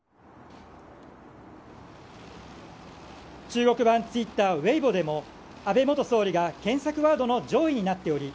中国版ツイッターウェイボーでも安倍元総理が検索ワードの上位になっており